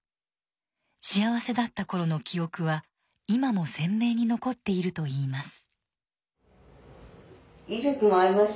幸せだった頃の記憶は今も鮮明に残っているといいます。